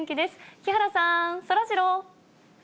木原さん、そらジロー。